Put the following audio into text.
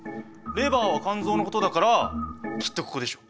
レバーは肝臓のことだからきっとここでしょ。